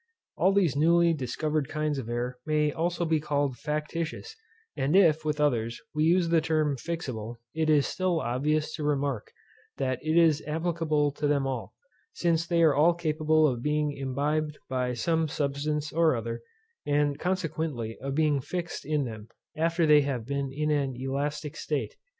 All these newly discovered kinds of air may also be called factitious; and if, with others, we use the term fixable, it is still obvious to remark, that it is applicable to them all; since they are all capable of being imbibed by some substance or other, and consequently of being fixed in them, after they have been in an elastic state.